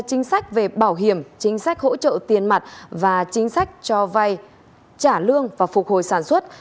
chính sách về bảo hiểm chính sách hỗ trợ tiền mặt và chính sách cho vay trả lương và phục hồi sản xuất